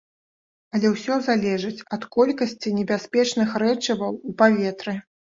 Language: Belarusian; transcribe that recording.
Але ўсё залежыць ад колькасці небяспечных рэчываў у паветры.